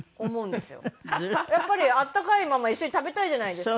やっぱり温かいまま一緒に食べたいじゃないですか。